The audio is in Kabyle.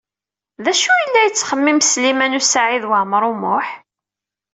D acu yella yettxemmim Sliman U Saɛid Waɛmaṛ U Muḥ?